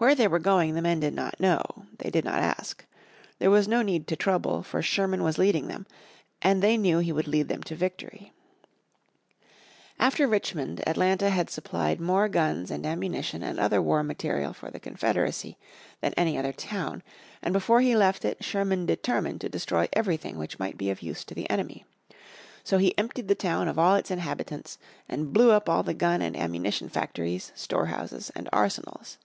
Where they were going the men did not know. They did not ask. There was no need to trouble, for Sherman was leading them, and they knew he would lead them to victory. After Richmond, Atlanta had supplied more guns and ammunition and other war material for the Confederacy than any other town, and before he left it, Sherman determined to destroy everything which might be of use to the enemy. So he emptied the town of all its inhabitants, and blew up all the gun and ammunition factories, storehouses, and arsenals.